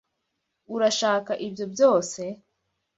Urashaka ibyo byose se?